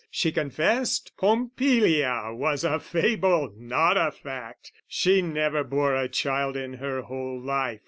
She confessed Pompilia was a fable not a fact: She never bore a child in her whole life.